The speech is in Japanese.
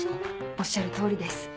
おっしゃるとおりです。